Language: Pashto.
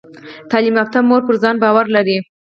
تعلیم یافته مور پر ځان باور لري۔